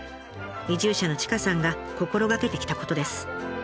移住者の千賀さんが心がけてきたことです。